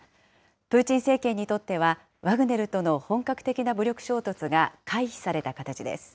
プーチン政権にとっては、ワグネルとの本格的な武力衝突が回避された形です。